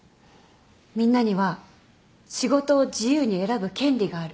みんなには仕事を自由に選ぶ権利がある。